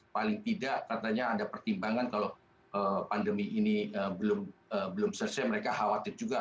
paling tidak katanya ada pertimbangan kalau pandemi ini belum selesai mereka khawatir juga